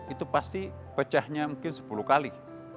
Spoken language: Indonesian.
itu pasti pecahnya mungkin sepuluh kali